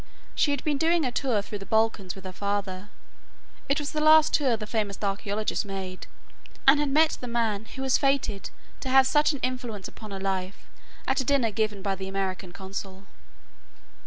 She had been doing a tour through the Balkans with her father it was the last tour the famous archeologist made and had met the man who was fated to have such an influence upon her life at a dinner given by the American Consul.